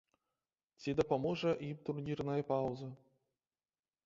Ці дапаможа ім турнірная паўза?